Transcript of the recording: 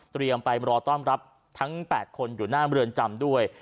ไปรอต้อนรับทั้ง๘คนอยู่หน้าเมืองจำด้วย